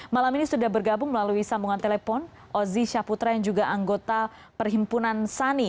malam ini sudah bergabung melalui sambungan telepon ozi syaputra yang juga anggota perhimpunan sani